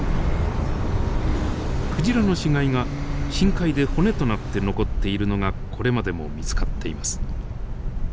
クジラの死骸が深海で骨となって残っているのがこれまでも見つかっています。